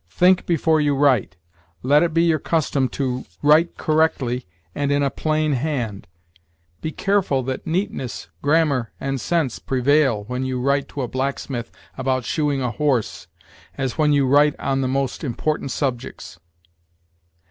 Think before you write; let it be your custom to write correctly and in a plain hand. Be careful that neatness, grammar, and sense prevail when you write to a blacksmith about shoeing a horse as when you write on the most important subjects.